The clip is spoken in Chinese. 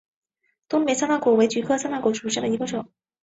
东北三肋果为菊科三肋果属下的一个种。